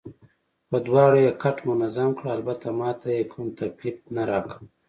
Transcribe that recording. په دواړو یې کټ منظم کړ، البته ما ته یې کوم تکلیف نه راکړ.